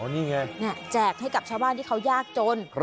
นี่ไงแจกให้กับชาวบ้านที่เขายากจน